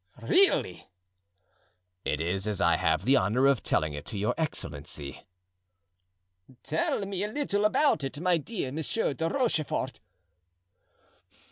"Really?" "It is as I have the honor of telling it to your excellency." "Tell me a little about it, my dear Monsieur de Rochefort."